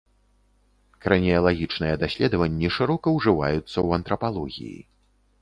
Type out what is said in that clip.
Краніялагічныя даследаванні шырока ўжываюцца ў антрапалогіі.